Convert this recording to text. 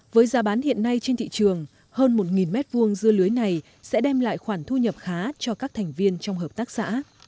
với giá bán hiện nay trên thị trường hơn một m hai dưa lưới này sẽ đem lại khoản thu nhập khá cho các thành viên trong hợp tác xã